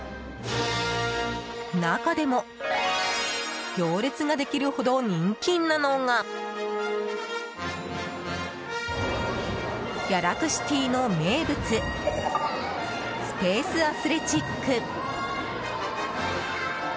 中でも行列ができるほど人気なのがギャラクシティの名物スペースあすれちっく。